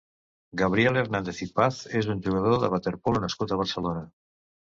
Gabriel Hernández i Paz és un jugador de waterpolo nascut a Barcelona.